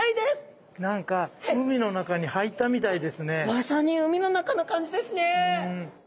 まさに海の中の感じですね。